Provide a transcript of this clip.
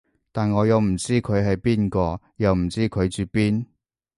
但我又唔知佢係邊個，又唔知佢住邊